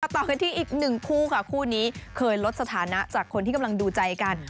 ต่อกันที่อีกหนึ่งคู่ค่ะคู่นี้เคยลดสถานะจากคนที่กำลังดูใจกัน